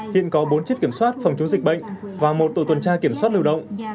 hiện có bốn chiếc kiểm soát phòng chống dịch bệnh và một tổ tuần tra kiểm soát lưu động